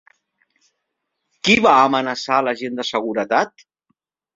Qui va amenaçar a l'agent de seguretat?